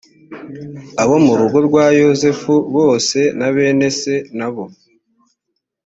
abo mu rugo rwa yosefu bose na bene se n abo